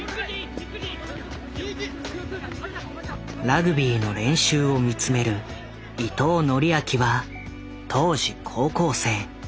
ラグビーの練習を見つめる伊藤紀晶は当時高校生。